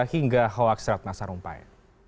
hingga hoaksrat nasarumpai